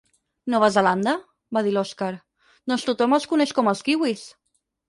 Nova Zelanda? —va dir l'Oskar— Doncs tothom els coneix com els kiwis!